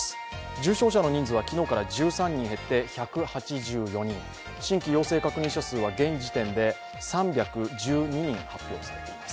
重症者の人数は昨日から１３人減って１８４人新規陽性確認者数は現時点で３１２人発表されています。